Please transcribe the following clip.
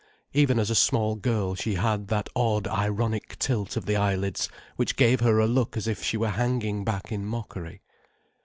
Even as a small girl she had that odd ironic tilt of the eyelids which gave her a look as if she were hanging back in mockery.